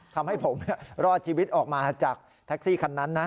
ทำให้ผมรอดชีวิตออกมาจากแท็กซี่คันนั้นนะ